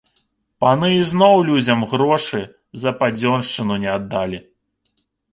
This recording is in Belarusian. Паны ізноў людзям грошы за падзёншчыну не аддалі.